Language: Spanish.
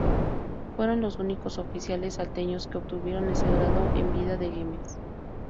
Fueron los únicos oficiales salteños que obtuvieron ese grado en vida de Güemes.